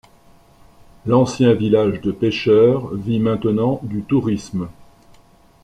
L'ancien village de pêcheurs vit maintenant du tourisme.